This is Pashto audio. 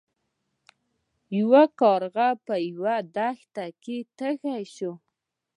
یو کارغه په یوه دښته کې تږی شو.